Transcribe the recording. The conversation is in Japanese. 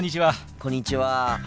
こんにちは。